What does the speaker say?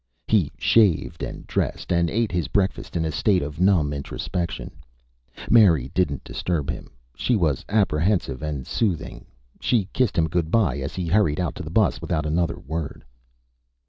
He shaved and dressed and ate his breakfast in a state of numb introspection. Mary didn't disturb him; she was apprehensive and soothing. She kissed him good by as he hurried out to the bus without another word.